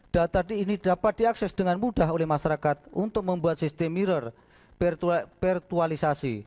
data ini dapat diakses dengan mudah oleh masyarakat untuk membuat sistem mirror virtualisasi